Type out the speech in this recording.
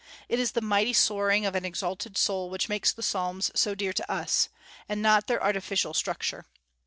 It is the mighty soaring of an exalted soul which makes the Psalms so dear to us, and not their artificial structure.